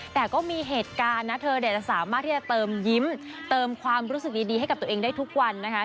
แต่ก็มีเหตุการณ์นะเธอจะสามารถที่จะเติมยิ้มเติมความรู้สึกดีให้กับตัวเองได้ทุกวันนะคะ